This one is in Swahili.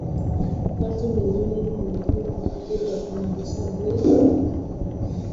tatu milioni zilizotengwa kwa ajili ya kuimarisha bei na kumaliza mgogoro huo